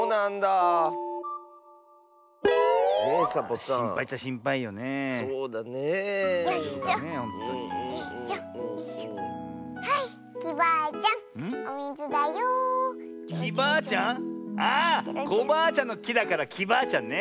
あっコバアちゃんのきだからきバアちゃんね。